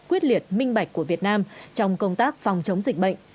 quyết liệt minh bạch của việt nam trong công tác phòng chống dịch bệnh